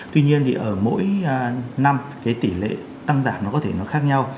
tuy nhiên thì ở mỗi năm cái tỷ lệ tăng giảm nó có thể nó khác nhau